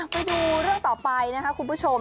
ไปดูเรื่องต่อไปนะคะคุณผู้ชม